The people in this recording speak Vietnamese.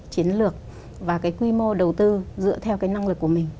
chiến lược và cái quy mô đầu tư dựa theo cái năng lực của mình